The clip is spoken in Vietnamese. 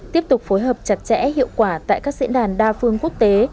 tiếp tục phối hợp chặt chẽ hiệu quả tại các diễn đàn đa phương quốc tế